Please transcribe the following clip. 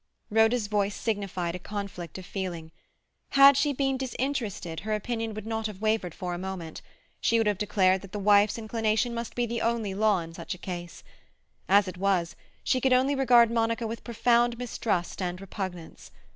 Rhoda's voice signified a conflict of feeling. Had she been disinterested her opinion would not have wavered for a moment; she would have declared that the wife's inclination must be the only law in such a case. As it was, she could only regard Monica with profound mistrust and repugnance.